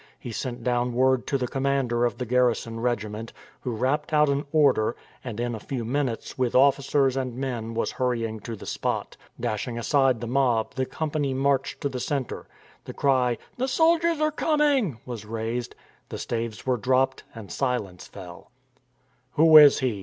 He sent down word to the commander of the garrison regiment, who rapped out an order, and in a few minutes with officers and men was hurrying to the spot. Dashing aside the mob the company marched to the centre. The cry, " The soldiers are coming !" was raised. The staves were dropped and silence fell. "Who is he?"